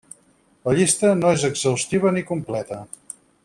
La llista no és exhaustiva ni completa.